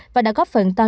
và đã có phần to lớn